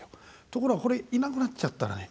ところが、これいなくなっちゃったらね。